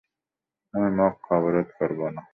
আমি মক্কা অবরোধ করব না।